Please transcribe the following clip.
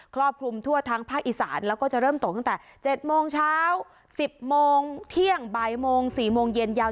ครอบคลุมทั่วทั้งภาคอีสานแล้วก็จะเริ่มตกตั้งแต่๗โมงเช้า๑๐โมงเที่ยงบ่ายโมง๔โมงเย็นยาว